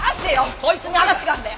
こいつに話があんだよ。